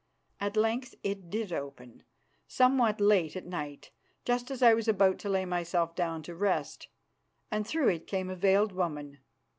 At length it did open, somewhat late at night, just as I was about to lay myself down to rest, and through it came a veiled woman.